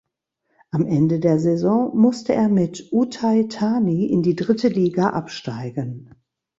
Am Ende der Saison musste er mit Uthai Thani in die Dritte Liga absteigen.